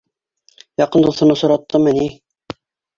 Яҡын дуҫын осраттымы ни!